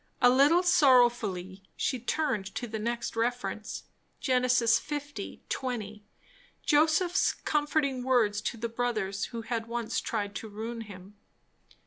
A little sorrowfully she turned to the next reference. Ge. 1. 20. Joseph's comforting words to the brothers who had once tried to ruin him.